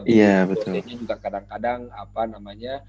jadi khususnya juga kadang kadang apa namanya